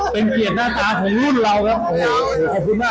เป็นเกลียดหน้าตาของอยู่ของคุณ